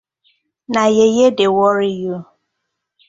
Na yeye dey worry you.